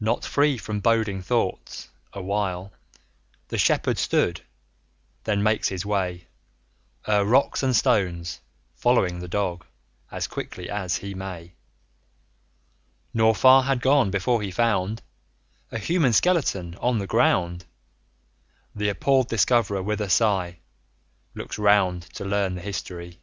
Not free from boding thoughts, a while The Shepherd stood; then makes his way 35 O'er rocks and stones, following the Dog As quickly as he may; Nor far had gone before he found A human skeleton on the ground; The appalled Discoverer with a sigh 40 Looks round, to learn the history.